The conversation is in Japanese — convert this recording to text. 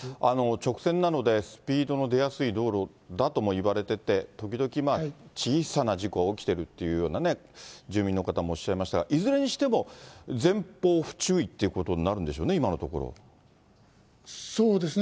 直線なのでスピードの出やすい道路だともいわれてて、時々小さな事故は起きているというようなね、住民の方もおっしゃいましたが、いずれにしても前方不注意ってことになるんでしょうね、今のとこそうですね。